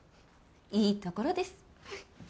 いいところです。